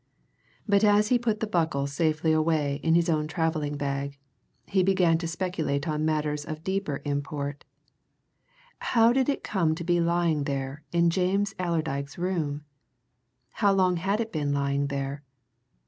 But as he put the buckle safely away in his own travelling bag, he began to speculate on matters of deeper import how did it come to be lying there in James Allerdyke's room? How long had it been lying there?